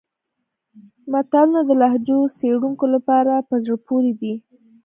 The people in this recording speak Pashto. متلونه د لهجو څېړونکو لپاره په زړه پورې دي